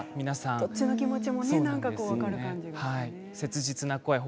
どっちの気持ちも分かる感じがね。